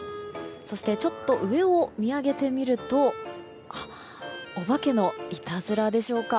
そしてちょっと上を見上げてみるとおばけのいたずらでしょうか。